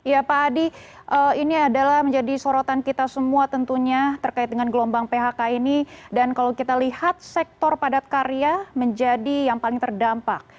ya pak adi ini adalah menjadi sorotan kita semua tentunya terkait dengan gelombang phk ini dan kalau kita lihat sektor padat karya menjadi yang paling terdampak